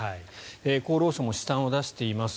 厚労省も試算を出しています。